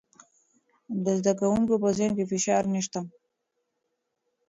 د زده کوونکو په ذهن کې فشار نشته.